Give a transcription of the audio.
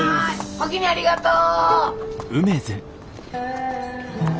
おおきにありがとう。